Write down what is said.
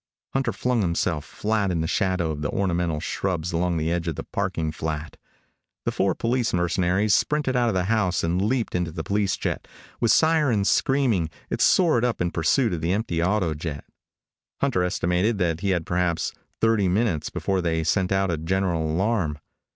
Hunter flung himself flat in the shadow of the ornamental shrubs along the edge of the parking flat. The four police mercenaries sprinted out of the house and leaped into the police jet. With sirens screaming, it soared up in pursuit of the empty autojet. Hunter estimated that he had perhaps thirty minutes before they sent out a general alarm.